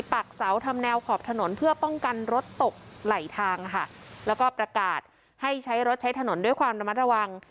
ปักเสาทำแนวขอบถนนเพื่อป้องกันรถตกไหลทางค่ะแล้วก็ประกาศให้ใช้รถใช้ถนนด้วยความระมัดระวัง